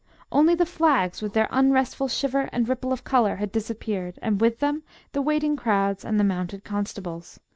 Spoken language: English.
Only the flags, with their unrestful shiver and ripple of colour, had disappeared, and, with them, the waiting crowds and the mounted constables.